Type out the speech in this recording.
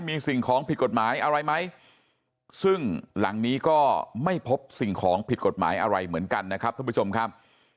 มีสิ่งของผิดกฎหมายอะไรไหมซึ่งหลังนี้ก็ไม่พบสิ่งของผิดกฎหมายอะไรเหมือนกันนะครับท่านผู้ชมครับ